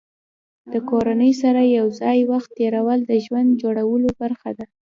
د کورنۍ سره یو ځای وخت تېرول د ژوند جوړولو برخه ده.